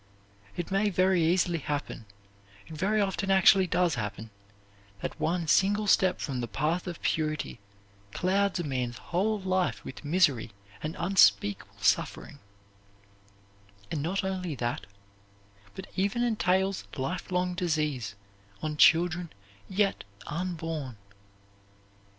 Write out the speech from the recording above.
It may very easily happen it very often actually does happen that one single step from the path of purity clouds a man's whole life with misery and unspeakable suffering; and not only that, but even entails lifelong disease on children yet unborn.